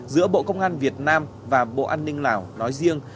giữa bộ công an việt nam và bộ an ninh lào nói riêng